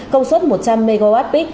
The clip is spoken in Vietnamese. công suất một trăm linh mwp